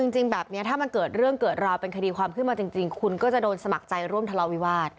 จริงแบบนี้ถ้ามันรับราวเป็นคดีความขึ้นมาจริงคุณก็จะโดนสมัครใจร่วมทะลวิวาส